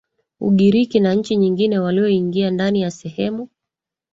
Ugiriki na nchi nyingine walioingia ndani ya sehemu